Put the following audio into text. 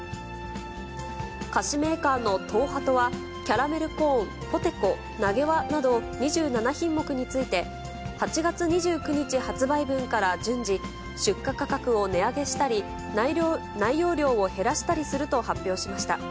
菓子メーカーの東ハトは、キャラメルコーン、ポテコ、なげわなど２７品目について、８月２９日発売分から順次、出荷価格を値上げしたり、内容量を減らしたりすると発表しました。